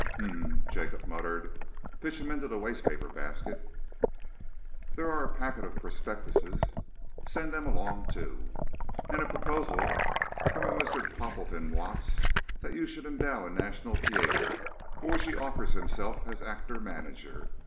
"Hm!" Jacob muttered. "Pitch 'em into the waste paper basket." "There are a packet of prospectuses " "Send them along, too." "And a proposal from a Mr. Poppleton Watts that you should endow a national theatre, for which he offers himself as actor manager.